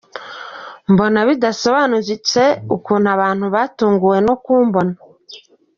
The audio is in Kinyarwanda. Mbona bidasobanutse ukuntu abantu batunguwe no kumbona.